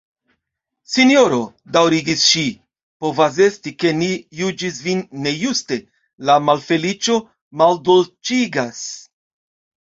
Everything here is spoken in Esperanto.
"Sinjoro, daŭrigis ŝi, povas esti, ke ni juĝis vin nejuste: la malfeliĉo maldolĉigas."